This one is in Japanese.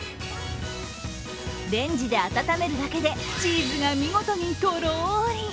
レンジで温めるだけでチーズが見事にトロリ。